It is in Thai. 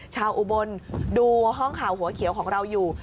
อุบลดูห้องข่าวหัวเขียวของเราอยู่